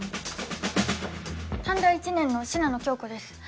短大１年の信濃京子です。